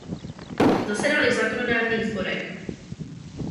Zasedal i v zákonodárných sborech.